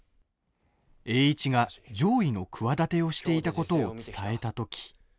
栄一が攘夷の企てをしていたことを伝えたとき。